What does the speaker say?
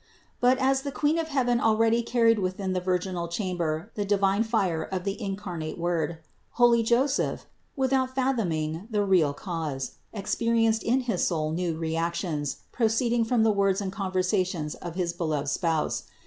But as the Queen of heaven already carried within the virginal chamber the divine fire of the incarnate Word, holy Joseph, without fathoming the real cause, expe THE INCARNATION 165 rienced in his soul new reactions, proceeding from the words and conversations of his beloved Spouse.